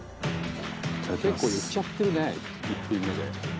結構言っちゃってるね１品目で。